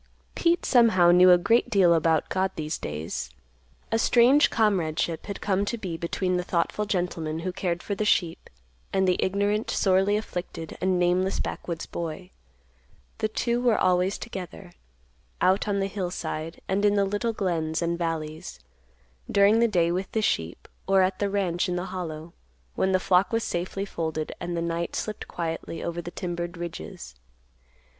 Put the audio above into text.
Pete somehow knew a great deal about God these days. A strange comradeship had come to be between the thoughtful gentleman, who cared for the sheep, and the ignorant, sorely afflicted, and nameless backwoods boy. The two were always together, out on the hillside and in the little glens and valleys, during the day with the sheep, or at the ranch in the Hollow, when the flock was safely folded and the night slipped quietly over the timbered ridges.